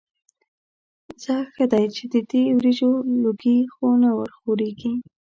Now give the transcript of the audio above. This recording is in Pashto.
ځه ښه دی چې د دې وریجو لوګي خو ورخوريږي.